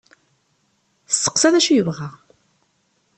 Testeqsa d acu i yebɣa.